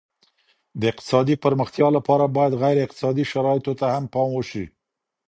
د اقتصادي پرمختيا لپاره بايد غیر اقتصادي شرايطو ته هم پام وسي.